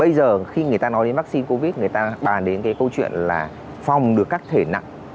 bây giờ khi người ta nói đến vaccine covid người ta bàn đến cái câu chuyện là phòng được các thể nặng